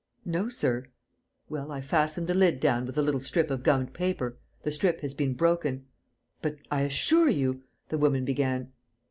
"No, sir." "Well, I fastened the lid down with a little strip of gummed paper. The strip has been broken." "But I assure you, ..." the woman began.